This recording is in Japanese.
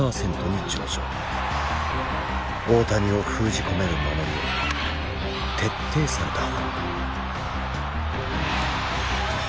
大谷を封じ込める守りを徹底された。